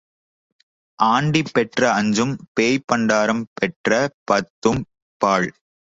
Aunty பெற்ற அஞ்சும் பேய் பண்டாரம் பெற்ற பத்தும் பாழ்.